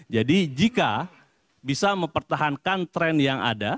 jadi jika bisa mempertahankan tren yang ada